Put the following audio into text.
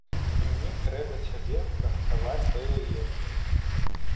І мне трэба цябе прыгатаваць да яе.